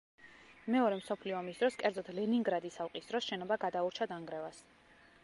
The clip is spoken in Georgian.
მეორე მსოფლიო ომის დროს, კერძოდ ლენინგრადის ალყის დროს შენობა გადაურჩა დანგრევას.